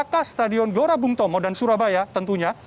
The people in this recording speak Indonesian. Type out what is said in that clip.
ka stadion gelora bung tomo dan surabaya tentunya